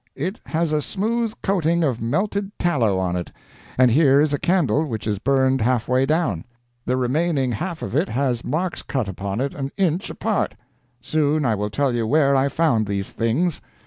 "It has a smooth coating of melted tallow on it. And here is a candle which is burned half way down. The remaining half of it has marks cut upon it an inch apart. Soon I will tell you where I found these things.